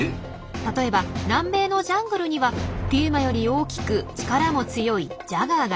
例えば南米のジャングルにはピューマより大きく力も強いジャガーがいます。